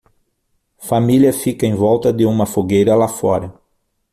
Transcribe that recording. Família fica em volta de uma fogueira lá fora.